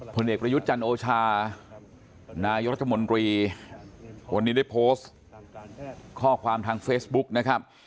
ผลเอกประยุทธ์จันโอชานายกรัฐมนตรีวันนี้ได้โพสต์ข้อความทางเฟซบุ๊กนะครับ